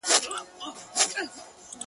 یو مي زړه نه دی چي تا باندي فِدا دی,